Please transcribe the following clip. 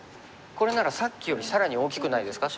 これならさっきよりさらに大きくないですか